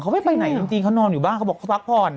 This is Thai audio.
เขาไม่ไปไหนจริงเขานอนอยู่บ้านเขาบอกเขาพักผ่อน